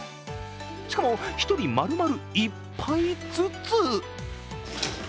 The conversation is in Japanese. しかも、１人まるまる１杯ずつ。